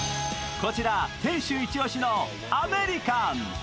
こちら、店主イチオシのアメリカン。